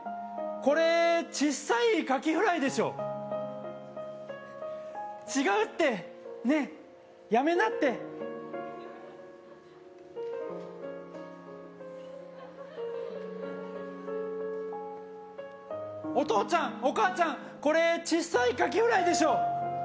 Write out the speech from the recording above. これちっさいカキフライでしょ違うってねえやめなってお父ちゃんお母ちゃんこれちっさいカキフライでしょ？